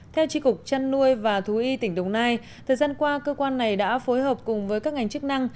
theo tri cục chăn nuôi và thú y tỉnh đồng nai thời gian qua cơ quan này đã phối hợp cùng với các ngành chức năng